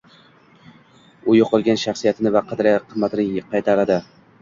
u yo‘qolgan shaxsiyatini va qadr-qimmatini qaytaradi